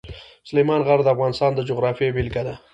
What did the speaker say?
سلیمان غر د افغانستان د جغرافیې بېلګه ده.